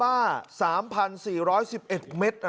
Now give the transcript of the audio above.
พระอยู่ที่ตะบนมไพรครับ